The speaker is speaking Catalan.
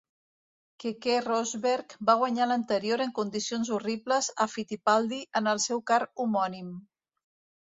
Keke Rosberg va guanyar l'anterior en condicions horribles a Fittipaldi en el seu car homònim.